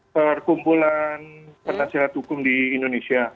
perkumpulan penasihat hukum di indonesia